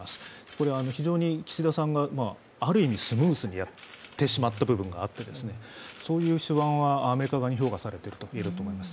これは非常に岸田さんが、ある意味スムーズにやってしまった部分があって、そういう手腕はアメリカ側に評価されていると思います。